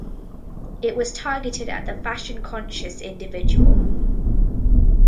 It was targeted at the "fashion conscious" individual.